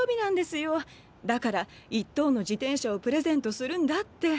だから一等の自転車をプレゼントするんだって。